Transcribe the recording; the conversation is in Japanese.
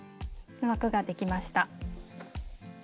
枠ができました。